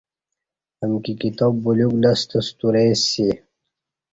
امکی کتاب بلیوک لستہ ستُورئ سی